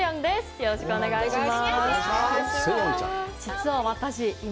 よろしくお願いします。